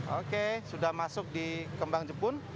oke sudah masuk di kembang jepun